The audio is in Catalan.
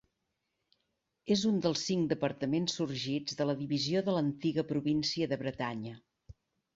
És un dels cinc departaments sorgits de la divisió de l'antiga província de Bretanya.